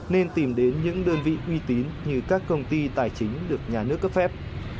nên tìm đến những đơn vị uy tín được nhà nước cấp phép